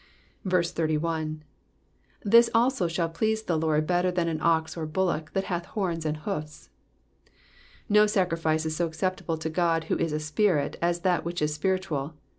31. ^''Thin also shall please the Lord better than an ox or huUock that htUh horns and hoofs.'''' No sacrifice is so acceptable to God, who is a Spirit, as that which is spiritual.